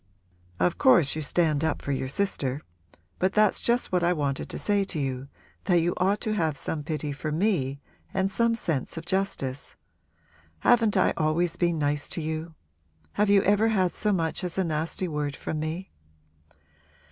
'Of course you stand up for your sister but that's just what I wanted to say to you, that you ought to have some pity for me and some sense of justice. Haven't I always been nice to you? Have you ever had so much as a nasty word from me?'